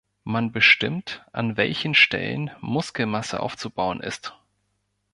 Man bestimmt, an welchen Stellen Muskelmasse aufzubauen ist.